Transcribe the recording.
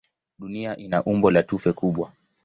Dunia ina umbo la tufe kubwa.